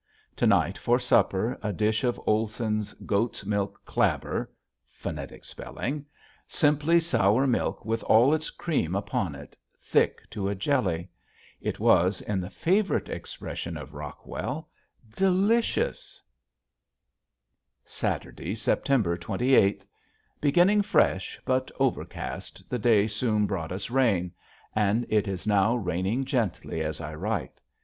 To night for supper a dish of Olson's goat's milk "Klabber" (phonetic spelling), simply sour milk with all its cream upon it, thick to a jelly. It was, in the favorite expression of Rockwell, "delicious." [Illustration: FOX ISLAND, RESURRECTION BAY, KENAI PENINSULA, ALASKA] Saturday, September twenty eighth. Beginning fresh but overcast the day soon brought us rain, and it is now raining gently as I write.